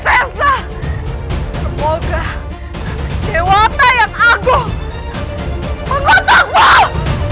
surawisesa semoga dewa tayang aku mengotakmu